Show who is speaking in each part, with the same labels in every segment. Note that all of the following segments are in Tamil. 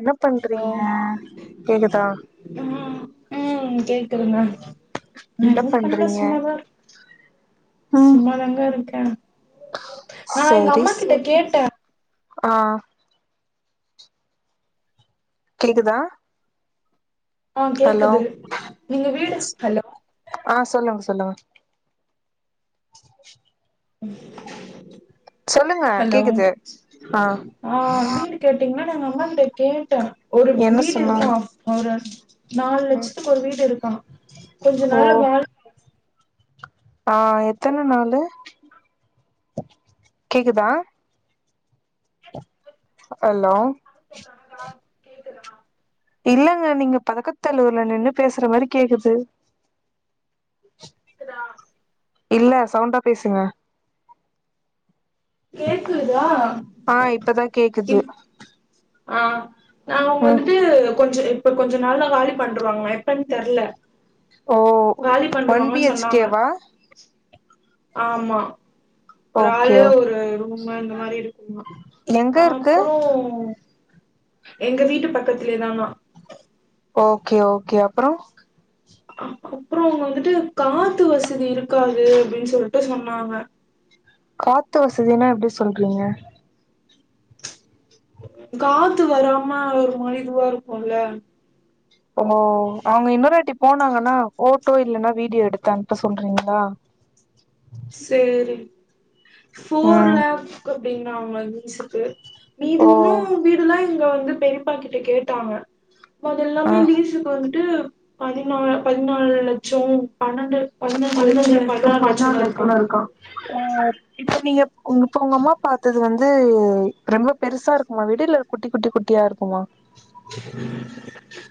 Speaker 1: என்ன
Speaker 2: ஹலோ
Speaker 1: பண்றீங்க கேக்குதா
Speaker 2: ம் ம் கேக்குதுங்க நா
Speaker 1: என்ன
Speaker 2: எதுவு பண்ல
Speaker 1: பண்றீங்க
Speaker 2: சும்மாதா
Speaker 1: ம்
Speaker 2: சும்மாதாங்க இருக்க நா எங்க
Speaker 1: சரி
Speaker 2: அம்மாக்கிட்ட
Speaker 1: சரி
Speaker 2: கேட்ட
Speaker 1: ஆ கேக்குதா
Speaker 2: ஆ
Speaker 1: ஹலோ
Speaker 2: கேக்குது நீங்க வீடு ஹலோ
Speaker 1: ஆ சொல்லுங்க சொல்லுங்க சொல்லுங்க
Speaker 2: ஹலோ
Speaker 1: கேக்குது ஆ
Speaker 2: ஆ வீடு கேட்டீங்கன்னு நா எங்க அம்மாக்கிட்ட கேட்ட ஒரு
Speaker 1: என்ன
Speaker 2: வீடு
Speaker 1: சொன்னாங்க
Speaker 2: இருக்கா ஒரு நாலு
Speaker 1: ம்
Speaker 2: லட்சத்துக்கு ஒரு வீடு இருக்கா கொஞ்சம்
Speaker 1: ஓ
Speaker 2: நாள்ல கால்
Speaker 1: ஆ எத்தன நாளு கேக்குதா ஹலோ
Speaker 2: கேக்குதா
Speaker 1: இல்லங்க நீங்க பதக்கத்தல்லூர்ல நின்னு பேசுற மாரி கேக்குது
Speaker 2: கேக்குதா
Speaker 1: இல்ல சவுண்டா பேசுங்க
Speaker 2: கேக்குதா
Speaker 1: ஆ இப்பதா கேக்குது
Speaker 2: இப் ஆ நாங்க
Speaker 1: ம்
Speaker 2: வந்துட்டு கொஞ்ச இப்ப கொஞ்ச நாளா காலி பண்றுவாங்ளா எப்பன் தெர்ல
Speaker 1: ஓ
Speaker 2: காலி
Speaker 1: ஒன் பி
Speaker 2: பண்றுவாங்லா
Speaker 1: ஹெச்
Speaker 2: சொன்னாங்க
Speaker 1: கேவா
Speaker 2: ஆமா ஒரு
Speaker 1: ஓகே
Speaker 2: ஆளு
Speaker 1: ஓகே
Speaker 2: ஒரு ரூம்மு இந்த மாரி இருக்குமா
Speaker 1: எங்க இருக்கு
Speaker 2: அப்றோ எங்க வீட்டு பக்கத்திலியே தானா
Speaker 1: ஓகே ஓகே அப்றோ
Speaker 2: அப்றோ அவுங்க வந்துட்டு காத்து வசதி இருக்காது அப்படின் சொல்ட்டு சொன்னாங்க
Speaker 1: காத்து வசதினா எப்டி சொல்றீங்க
Speaker 2: காத்து வராம ஒரு மாரி இதுவா இருக்குல்ல
Speaker 1: அவ்ங்கோ அவுங்க இன்னொரு வாட்டி போனாங்கன்னா ஃபோட்டோ இல்லன்னா வீடியோ எடுத்து அனுப்ப சொல்றீங்ளா
Speaker 2: சேரி ஃபோர்
Speaker 1: ம்
Speaker 2: லேக் அப்டின்னா அவுங்க லீசுக்கு மீதி
Speaker 1: ஓ
Speaker 2: உன்னு வீடுதா இங்க வந்து பெரியப்பா கிட்ட கேட்டாங்க அது
Speaker 1: ஆ
Speaker 2: எல்லாமே லீஸுக்கு வந்ட்டு பதினா பதினாலு லட்சோ பணண்டு பதினஞ்சி லட்சோ பதினறு லட்சோனாரு
Speaker 1: கொன்னாருக்கா அ இப்ப நீங்க உங்க அப்பா அம்மா பாத்தது வந் து ரெம்ப பெருசா இருக்குமா வீடு இல்ல குட்டி குட்டி குட்டியா இருக்குமா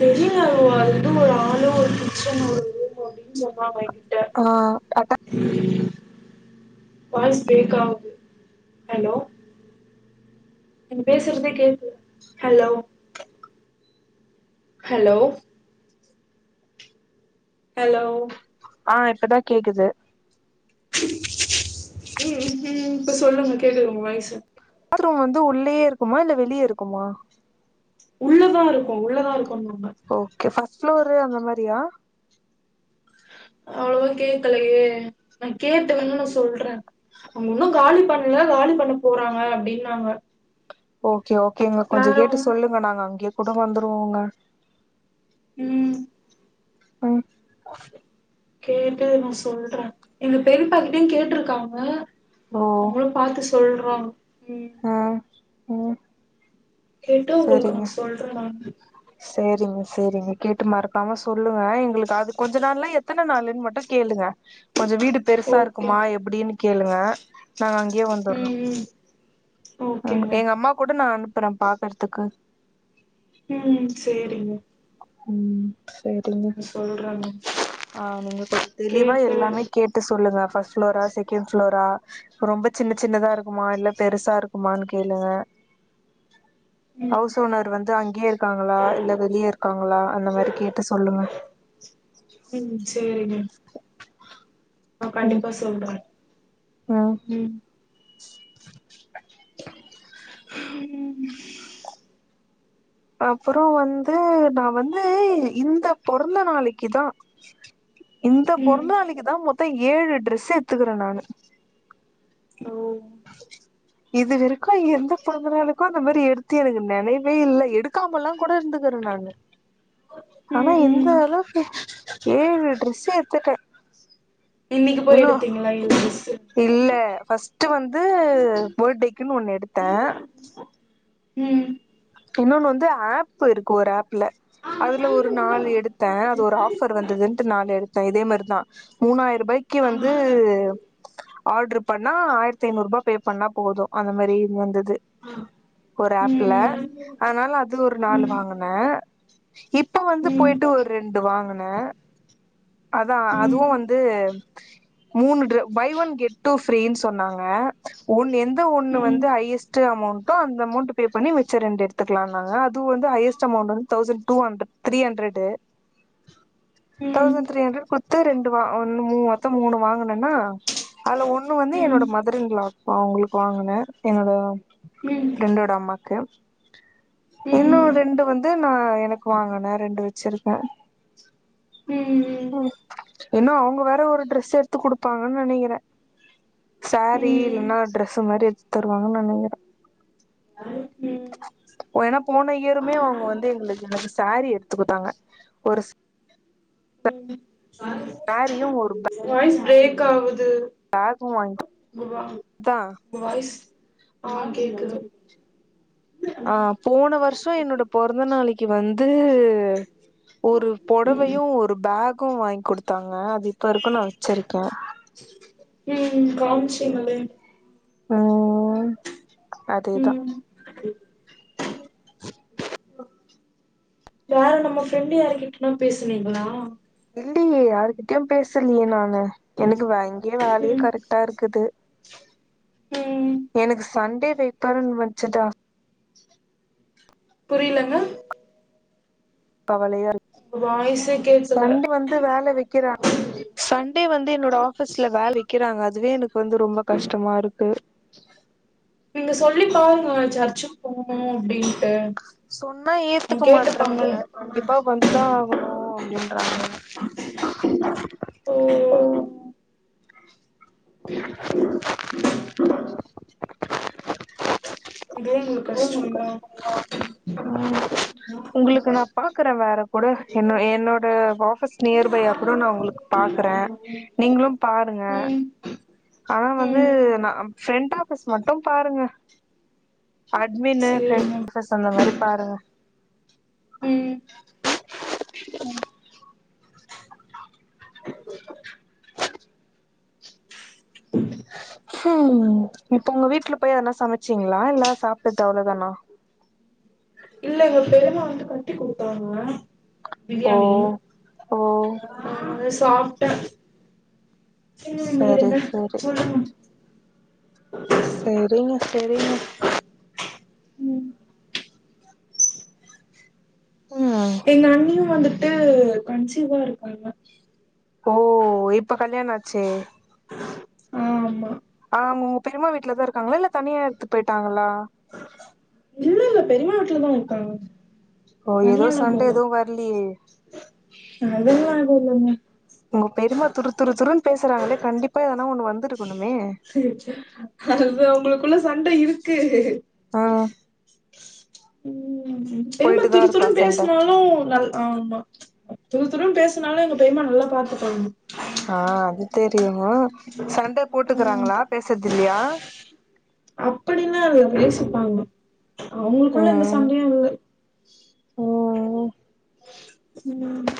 Speaker 2: தெரியில அது வந்து ஒரு ஹாலு ஒரு கிச்சனு ஒரு ரூம்மு அப்டி ஞ்சம்மா மயங்கிட்ட
Speaker 1: ஆ அட்டா
Speaker 2: வாய்ஸ் பிரேக் ஆகுது ஹலோ நீங்க பேசறதே கேக்கல ஹலோ ஹலோ ஹலோ
Speaker 1: ஆ இப்பதா கேக்குது
Speaker 2: ம் ம் இப்ப சொல்லுங்க கேக்குது வாய்ஸு
Speaker 1: பாத்ரூம் வந்து உள்ளயே இருக்குமா இல்ல வெளியே இருக்குமா
Speaker 2: உள்ளதா இருக்கு உள்ளதா இருக்குன்னாங்க
Speaker 1: ஓகே ஃபஸ்ட் ஃப்ளோரு அந்த மாரியா
Speaker 2: அவ்ளாவா கேக்கலையே நா கேட்ட வேனுனா சொல்றே அவுங்க உன்னு காலி பண்ல காலி பண்ண போறாங்க அப்டின்னாங்க
Speaker 1: ஓகே ஓகேங்க கொஞ்ச
Speaker 2: வேற
Speaker 1: கேட்டு
Speaker 2: ஒன்னு
Speaker 1: சொல்லுங்க நாங்க அங்கயே கூட வந்துருவோங்க
Speaker 2: ம்
Speaker 1: ம்
Speaker 2: கேட்டு நா சொல்ற எங்க பெரியப்பா கிட்டயு கேட்ருக்காங்க
Speaker 1: ஓ
Speaker 2: அவுங்க பாத்து சொல்றோ ம்
Speaker 1: ஆ ம்
Speaker 2: கேட்டு உங்களுக்கு நா சொல்ற நானு
Speaker 1: செரிங்க செரிங்க கேட்டு மறக்காம சொல்லுங்க எங்களுக்கு அது கொஞ்ச நாள்ல்லா எத்தன நாள்ன் மட்டு கேளுங்க கொஞ்ச வீடு பெருசா
Speaker 2: ஓகே
Speaker 1: இருக்குமா எப்டின் கேளுங்க நாங்க அங்கேயே வந்துறோ
Speaker 2: ம் ம்
Speaker 1: ஆ
Speaker 2: ஓகேங்க
Speaker 1: எங்க அம்மா கூட நா அனுப்புறே பாக்கறதுக்கு
Speaker 2: ம் சேரிங்க
Speaker 1: ம் சேரிங்க
Speaker 2: நா சொல்றே மேம்
Speaker 1: ஆ நீங்க கொஞ்சோ தெளிவா
Speaker 2: கேட்டு
Speaker 1: எல்லாமே கேட் டு சொல்லுங்க ஃபஸ் ஃப்ளோரா செகண் ஃப்ளோரா ரொம்ப சின்ன சின்னதா இருக்குமா இல்ல பெருசா இருக்குமான் கேளுங்க
Speaker 2: ம்
Speaker 1: ஹவுஸ் ஓனர் வந்து அங்கேயே இருக்காங்களா இல்ல வெளியே இருக்காங்களா அந்த மாரி கேட்டு சொல்லுங்க
Speaker 2: ம் சேரிங்க ஆ
Speaker 1: ம்
Speaker 2: கண்டிப்பா சொல்ற
Speaker 1: ம்
Speaker 2: ம் ம்
Speaker 1: அப்றோ வந்து நா வந்து இந்த பொறந்த நாளைக்குதா இந்த
Speaker 2: ம்
Speaker 1: பொறந்த நாளிக்குதா மொத்தொ ஏழு டிரெஸ் எத்துகிறே நானு
Speaker 2: ஓ
Speaker 1: [inaudible] இது வரைக்கோ எந்த பொறந்த நாளுக்கோ அந்த மாரி எடுத்து எனக்கு நெனைவே இல்ல எடுக்காமல்லா கூட இருந்துக்கறே நானு ஆனா இந்த
Speaker 2: ம்
Speaker 1: அளவு ஏழு டிரெஸ்ஸீ எத்துட்டே
Speaker 2: இன்னிக்கு போய்
Speaker 1: இன்னு
Speaker 2: எடுத்தீங்ளா இந்த டிரஸ்ஸீ
Speaker 1: இல்ல ஃபர்ஸ்ட்ட் வந்து ஃபட்டேக்குன்னு ஒண்ணு எடுத்தே
Speaker 2: ம்
Speaker 1: இன்னொன்னு வந்து ஆப் இருக்கு ஒரு ஆப்ல அதுல ஒரு நாள் எடுத்தே அது ஒரு ஆஃபர் வந்ததுன்ட்டு நாலு எடுத்தே இதே மாரிதா மூணாயிர ரூபாய்க்கு வந்து ஆடர் பண்ணா ஆயிரத்தி ஐந்நூறு ரூபா பே பண்ணா போது அந்த மாரி வந்தது ஒரு ஆப்ல
Speaker 2: ம்
Speaker 1: அதனால அது ஒரு
Speaker 2: ம்
Speaker 1: நாலு
Speaker 2: ம்
Speaker 1: வாங்குனே இப்ப வந்து
Speaker 2: ம்
Speaker 1: போயிட்டு ஒரு ரெண்டு வாங்குனே அதா
Speaker 2: ம்
Speaker 1: அதுவு வந்து மூணு D buy one get two ஃப்ரீனு சொன்னாங்க ஒன்னு எந்த ஒன்னு
Speaker 2: ம் ம்
Speaker 1: வந்து ஹையஸ் ட் அமௌண்டோ அந்த அமௌண்ட் பே பண்ணி மி ச்ச ரெண்டு எடுத்துக்கலாணாங்க அது வந்து ஹையெஸ்ட் அமௌண்ட் வந்து தௌசண்ட் டூ கண் த்ரீ ஹண்ட்ரேடு
Speaker 2: ம் ம்
Speaker 1: தௌசண்ட் த்ரீ ஹண்ட்ரேட் குத்து ரெண்டு வா ஒன்னு மூ மொத்த மூணு வாங்கனுனா அதுல ஒண்ணு வந்து என்னோட மதர் இன் லா அவங்கள்க்கு வாங்னே என்னோட
Speaker 2: ம்
Speaker 1: ஃப்ரண்டோட அம்மாவுக்கு இன்னு
Speaker 2: ம்
Speaker 1: ரெண்டு வந்து நா எனக்கு வாங்கனே ரெண்டு வச்சிருக்கே ம் இன்னு அவங்க வேற ஒரு ட்ரெஸ் எடுத்து குடுப்பாங்கனு நெனைகிறே சேரீ இல்லன்னா ட்ரெஸ் மாரி எட்த்தருவாங்கனு நெனகிறே
Speaker 2: ஹைக்கிங்
Speaker 1: ஏன்னா போன இயருமே அவங்க வந்து எங்களுக்கு என்கு சேரீ எட்த்துக்குத்தாங்க ஒரு
Speaker 2: [unintelligible] [unintelligible]
Speaker 1: யாரையு ஒரு பே
Speaker 2: வாய்ஸ் ப்ரேக் ஆவுது
Speaker 1: பேகு வாங்கி அதா
Speaker 2: வாய்ஸ் ஆ கேக்குது
Speaker 1: ஆ போன வருஷ என்னோட பொறந்த நாளைக்கு வந்து ஒரு
Speaker 2: ம்
Speaker 1: பொடவையு ஒரு பேகு வாங்கி குடுத்தாங்க அது இப்ப வரைக்கோ நா வச்சிருக்கே
Speaker 2: ம் கவுன்சிங்கலே
Speaker 1: ம் அதேதா
Speaker 2: சரி [inaudible]
Speaker 1: [inaudible]
Speaker 2: யார நம்ம ஃப்ரெண்ட் யாருக்கிட்டன்னா பேசுனீங்களா
Speaker 1: இல்லையே யாருக்கிட்டயு பேசலையே நானு எனக்கு வா இங்கிய வேலையே
Speaker 2: ம்
Speaker 1: கரெக்டா இருக்குது
Speaker 2: ம்
Speaker 1: எனக் சண்டே வைப்பாருன்னு வச்சுதா
Speaker 2: புரியலங்க
Speaker 1: கவலயா இருக்
Speaker 2: உங்க வாய்ஸே கேக்கல
Speaker 1: சண்டே வந்து வேல வெக் கிறா சண்டே வந்து என்னோட ஆஃபிஸ்ல வேல வெக்கிறாங்க அதுவே எனக்கு வந்து ரொம்ப கஷ்டமா இருக்கு பேர்
Speaker 2: நீங்க சொல்லிப்பாருங்க சர்ச்சுக்கு போனோ அப்டின்ட்டு
Speaker 1: சொன்னா
Speaker 2: அவங்க
Speaker 1: ஏத்துக்க
Speaker 2: கேட்டுப்பாங்க
Speaker 1: மாற்றாங்க கண்டிப்பா வந்துதா ஆகணோ அப்டின்றாங்க
Speaker 2: ஓ
Speaker 1: [inaudible]
Speaker 2: இதுவே உங்களுக்கு கஷ்டம்தா
Speaker 1: உங்களுக்கு நா பாக்குற வேற கூட என்ன என்னோட ஃபஸ்ட் நியர்பையா கூட நா உங்களுக்கு பாக்குறே நீங்களு பாருங்க
Speaker 2: ம்
Speaker 1: ஆனா வந்து
Speaker 2: ம்
Speaker 1: நா ஃப்ரண்ட் ஆபிஸ் மட்டு பாருங்க அட்மின்னு ஃப்ர
Speaker 2: சேரிங்க
Speaker 1: ஆபீஸ் அந்த மாரி பாருங்க
Speaker 2: ம்
Speaker 1: ம் அ
Speaker 2: ஹ
Speaker 1: ஹம் இப்ப உங்க வீட்டு்ல போய் எதுனா சமைச்சீங்களா இல்ல சாப்டது அவ்ளதானா
Speaker 2: இல்லங்க பெரிமா வந்து கட்டி குடுத்தாங்க
Speaker 1: ஓ
Speaker 2: பிரியாணி
Speaker 1: ஓ
Speaker 2: அ ஆ அத சாப்பிட்டே ம்
Speaker 1: சரி
Speaker 2: இருங்க
Speaker 1: சரி
Speaker 2: சொல்லுங்க [inaudible]
Speaker 1: சேரிங்க சேரிங்க
Speaker 2: ம்
Speaker 1: ம்
Speaker 2: எங்க அண்ணியு வந்துட்டு கன்சீவா இருக்காங்க
Speaker 1: ஓ இப்ப கல்யாண ஆச்சே
Speaker 2: ஆமா
Speaker 1: ஆங் உங்க பெரிமா வீட்டுலதா இருக்காங்களா இல்ல தனியா எடுத்து போயிட்டாங்களா
Speaker 2: இல்ல இல்ல பெரிமா வீட்டுலதா இருக்காங்க
Speaker 1: ஓ ஏதோ
Speaker 2: தனியாலா
Speaker 1: சண்ட
Speaker 2: போல
Speaker 1: ஏதுவு வர்லியே
Speaker 2: அதெல்லா எதுவு இல்லீங்க
Speaker 1: உங்க பெரிமா துரு துரு துருன்னு பேசுறாங்களே கண்டிப்பா எதுனா ஒண்ணு வந்திருக்கணுமே
Speaker 2: அது அவங்களுக்குள்ள சண்ட இருக்கு
Speaker 1: ஆ
Speaker 2: ம் பெரிமா
Speaker 1: போயிட்டுதா
Speaker 2: துரு
Speaker 1: இருக்கா
Speaker 2: துருனு
Speaker 1: சண்ட
Speaker 2: பேசினாலு நல் ஆமா துரு துருனு பேசுனாலு எங்க பெரிமா நல்லா பாத்துப்பாங்க
Speaker 1: ஆ அது தெரியு சண்ட
Speaker 2: ம்
Speaker 1: போட்டுக்குறாங்களா பேசுறது இல்லையா
Speaker 2: அப்படிலா இல்ல பேசிப்பாங்க அவங்களுக்குள்ள எந்த சண்டையு இல்ல
Speaker 1: ஓ
Speaker 2: ம்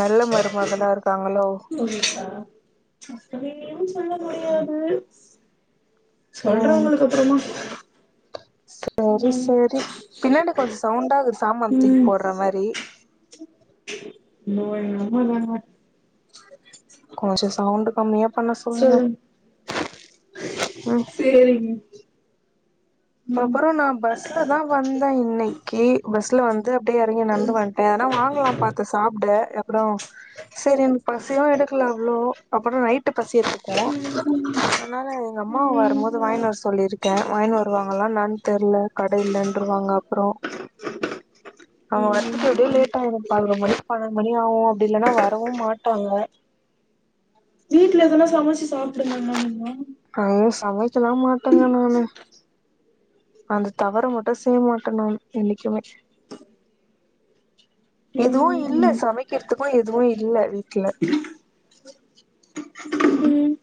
Speaker 1: நல்ல மருமகளா இருக்காங்களோ
Speaker 2: ஓ இருக்கா அப்புடியு சொல்ல முடியாது சொல்ற
Speaker 1: ம்
Speaker 2: உங்களுக்கு அப்புறமா
Speaker 1: சரி
Speaker 2: ம்
Speaker 1: சரி பின்னாடி கொஞ்சோ சவுண்டா இருக்கு சாமான் தூக்கி போடுற மாரி
Speaker 2: அய்யோ எங்க அம்மாதாங்க [inaudible]
Speaker 1: கொஞ்சோ சவுண்டு கம்மியா பண்ண சொல்லுங்க ம்
Speaker 2: சேரிங்
Speaker 1: அப்புற நா பஸ்ல தா வந்தே இன்னைக்கி பஸ்ல வந் து அப்டியே எறங்கி நடந்து வந்ட்டே எதனா வாங்கலான்னு பாத்த சாப்ட அப்றோ சேரி எனக்கு பசியு எடுக்கலா அவ்ளோ அப்றோ நைட்டு பசி எடுக்கு ம் அதனால எங்க அம்மா
Speaker 2: ம் ம்
Speaker 1: வரும்போது வாங்கினுவர சொல்லியிருக்கே வாங்கினு வரு வாங்களான்னு என்னாத் தெர்ல கட இல்லன்ருவாங்க அப்றோ அவ்ங்க
Speaker 2: ம்
Speaker 1: வர்த்துக்கு எப்டி லேட் டாயிரு பதனொரு மணி பன்னென்டு மணி ஆகு அப்டி இல்லன்னா வரவு மாட்டாங்க
Speaker 2: வீட்டுல எதனா சமைச்சு சாப்பிடுங்கனா நீங்கோ
Speaker 1: அது சமைக்கலா மாட்டேங்க நானு அந்த தவற மட்டு செய்ய மாட்ட நானு என்னைக்குமே எதுவு இல்ல
Speaker 2: ம்
Speaker 1: சமைக்கிறதுக்கு எதுவு இல்ல வீட்டுல
Speaker 2: ம்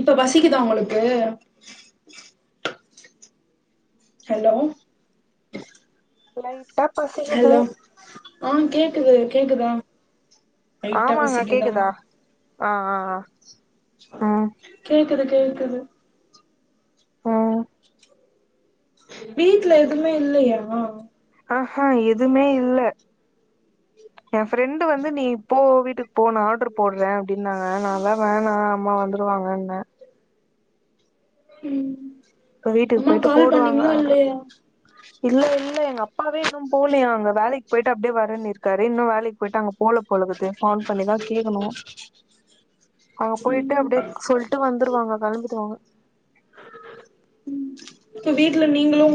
Speaker 2: இப்ப பசிக்குதா உங்குளுக்கு ஹலோ
Speaker 1: லைட்டா பசிக்குது
Speaker 2: ஹலோ ஆ கேக்குது கேக்குதா லைட்டா
Speaker 1: ஆமாங்க
Speaker 2: பசிக்குதா
Speaker 1: கேக்குதா ஆ ஆஹ் ம்
Speaker 2: கேக்குது கேக்குது
Speaker 1: ம்
Speaker 2: வீட்டுல எதுமே இல்லயா
Speaker 1: ஆஹஹா எதுமே இல்ல என் ஃப்ரெண்டு வந்து நீ போ வீட்டுக்கு போ நா ஆடரு போடுறே அப்டின்னாங்க நா தா வேணா அம்மா வந் துருவாங்கனே
Speaker 2: ம்
Speaker 1: இப்ப வீட்டுக்கு
Speaker 2: அம்மா
Speaker 1: போயிட்டு
Speaker 2: கால்
Speaker 1: போடுவாங்க
Speaker 2: பண்ணீங்களா
Speaker 1: ஆடரு
Speaker 2: இல்லையா
Speaker 1: இல்ல இல்ல எங்க அப்பாவே இன்னு போலயா அங்க வேலைக் போய்ட்டு அப்டியே வரேன்னிருக்காரு இன்னு வேலைக்கு போய்ட்டு அங்க போல போலிக்குது ஃபோன் பண்ணிதா கேக்கணு அங்க போயிட்டு அப்டியே
Speaker 2: ம்
Speaker 1: சொல்ட்டு வந்துருவாங்க கெளம்பிடுவாங்க
Speaker 2: இப்ப வீட்டுல நீங்களு